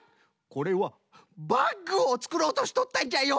これはバッグをつくろうとしとったんじゃよ！